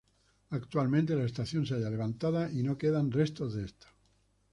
Actualmente la estación se halla levantada y no quedan restos de esta.